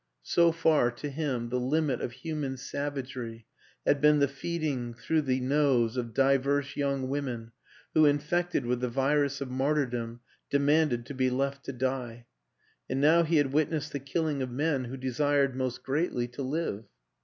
So far, to him, the limit of human savagery had been the feeding through the nose of divers young women who, in fected with the virus of martyrdom, demanded to be left to die and now he had witnessed the killing of men who desired most greatly to live.